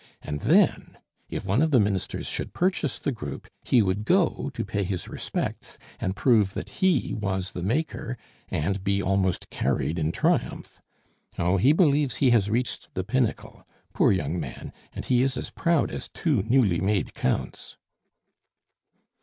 And then, if one of the ministers should purchase the group, he would go to pay his respects, and prove that he was the maker, and be almost carried in triumph! Oh! he believes he has reached the pinnacle; poor young man, and he is as proud as two newly made Counts."